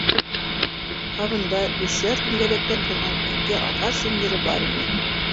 Һабында өсәр түңгәләктән торған ике ағас сынйыры бар ине.